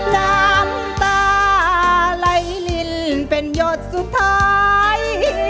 น้ำตาไหลลินเป็นหยดสุดท้าย